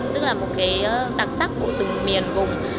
tức là một cái đặc sắc của từng miền vùng